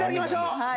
はい。